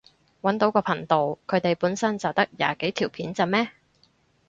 搵到個頻道，佢哋本身就得廿幾條片咋咩？